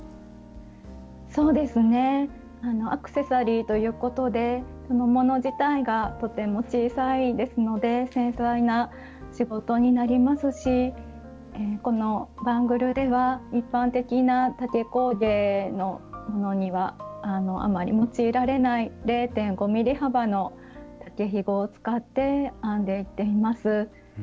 アクセサリーということでそのもの自体がとても小さいですので繊細な仕事になりますしこのバングルでは一般的な竹工芸のものにはあまり用いられない０．５ｍｍ幅の竹ひごを使って編んでいっています。